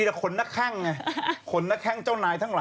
แต่ผมว่าฝรั่งถุยเนื้อทิ้งอ่ะ